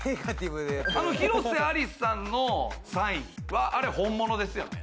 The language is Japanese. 広瀬アリスさんのサインは、あれ本物ですよね？